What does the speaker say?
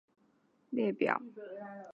这是一份穆罗姆统治者的列表。